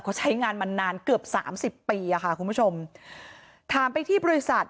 เขาใช้งานมานานเกือบสามสิบปีอ่ะค่ะคุณผู้ชมถามไปที่บริษัท